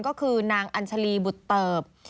ก็คือนางอัญชาลีบุตเติบ